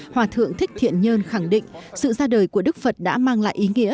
hòa thượng thích thiện nhơn khẳng định sự ra đời của đức phật đã mang lại ý nghĩa